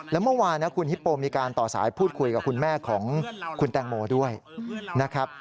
แล้วเมื่อวานนะคุณฮิปโปมีการต่อสายพูดคุยกับคุณแม่ของคุณแตงโมด้วยนะครับ